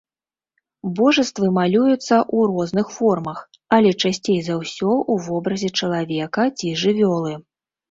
Божаствы малююцца ў розных формах, але часцей за ўсё ў вобразе чалавека ці жывёлы.